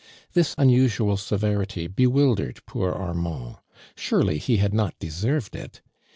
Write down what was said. This unusual se verity bewildered poor Armand'. Surely he had not deserved it.